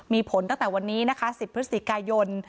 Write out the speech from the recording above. มีผลตั้งแต่วันนี้นะคะ๑๐พฤศจิกายน